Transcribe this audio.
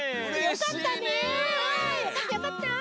よかったよかった。